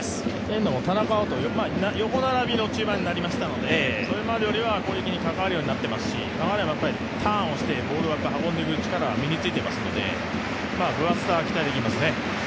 遠藤、田中碧と横並びの中盤になりましたのでそれまでよりは攻撃に関わるようになっていますしターンをして運んでいく力は身についていますので分厚さは期待できますね。